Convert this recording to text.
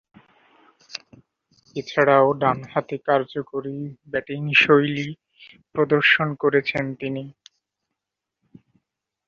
এছাড়াও, ডানহাতে কার্যকরী ব্যাটিংশৈলী প্রদর্শন করেছেন তিনি।